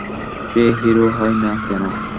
সে hero হয় না কেন?